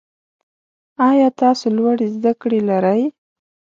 آیا تاسو لوړي زده کړي لرئ؟